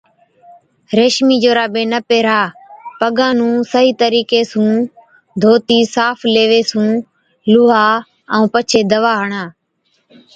ريشمِي جورابي نہ پيهرا، پگان نُون صحِيح طرِيقي سُون ڌوتِي صاف ليوي سُون لُوها ائُون پڇي دَوا هڻا۔